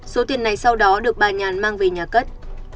số tiền này sau đó được bà nhàn mang về nhà cất